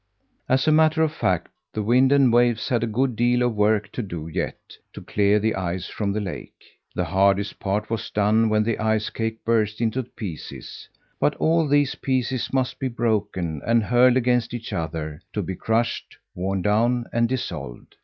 As a matter of fact, the wind and waves had a good deal of work to do yet to clear the ice from the lake. The hardest part was done when the ice cake burst into pieces, but all these pieces must be broken and hurled against each other, to be crushed, worn down, and dissolved.